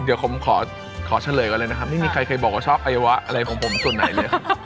เดี๋ยวผมขอขอเฉลยก่อนเลยนะครับไม่มีใครบอกว่าชอบไอวะอะไรของผมส่วนไหน